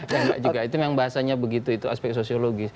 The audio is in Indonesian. enggak juga itu memang bahasanya begitu itu aspek sosiologis